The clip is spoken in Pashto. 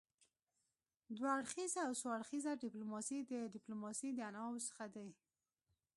دوه اړخیزه او څو اړخیزه ډيپلوماسي د ډيپلوماسي د انواعو څخه دي.